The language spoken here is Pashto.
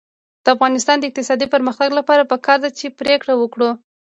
د افغانستان د اقتصادي پرمختګ لپاره پکار ده چې پرېکړه وکړو.